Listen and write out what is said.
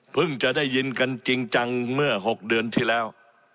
จะได้ยินกันจริงจังเมื่อ๖เดือนที่แล้ว